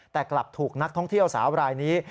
แต่กลับถูกนักท่องเที่ยวสาวรายนี้